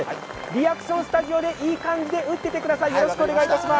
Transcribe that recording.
リアクション、スタジオでいい感じで打っててください。